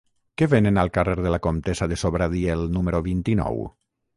Què venen al carrer de la Comtessa de Sobradiel número vint-i-nou?